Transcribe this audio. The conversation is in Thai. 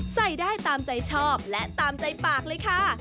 ใส่ได้ตามใจชอบและตามใจปากเลยค่ะ